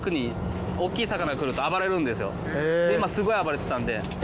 今すごい暴れてたんで。